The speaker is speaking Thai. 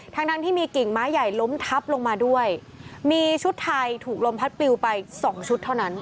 ทั้งทั้งที่มีกิ่งไม้ใหญ่ล้มทับลงมาด้วยมีชุดไทยถูกลมพัดปลิวไปสองชุดเท่านั้น